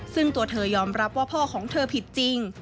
ซึ่งตัวเธอยอมรับว่าพ่อของเธอผิดจริง